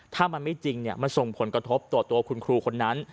ถ้ามันไม่จริงมันส่งผลกระทบต่อตัวคุณครูคนนั้น